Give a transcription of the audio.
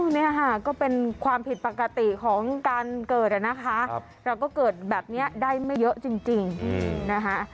เนี่ยค่ะก็เป็นความผิดปกติของการเกิดนะคะเราก็เกิดแบบนี้ได้ไม่เยอะจริงนะคะ